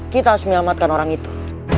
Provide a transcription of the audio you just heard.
kita harus menyelamatkan orang itu